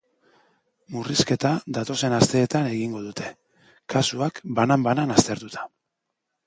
Murrizketa datozen asteetan egingo dute, kasuak banan-banan aztertuta.